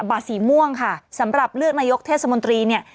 บาทสีม่วงค่ะสำหรับเลือกนายกเทศมนตรีเนี่ย